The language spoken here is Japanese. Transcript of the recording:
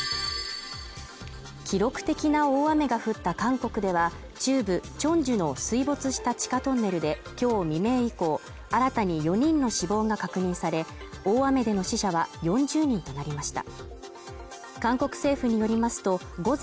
記録的な大雨が降った韓国では中部チョンジュの水没した地下トンネルで、今日未明以降、新たに４人の死亡が確認され、大雨での死者は４０人となりました。